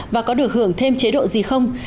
và có được hưởng thêm chế độ gì không